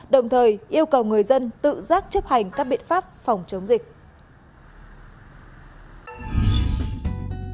đồng thời yêu cầu người dân tự giác chấp hành các biện pháp phòng chống dịch